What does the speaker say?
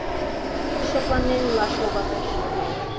— Шекланен илаш логалеш.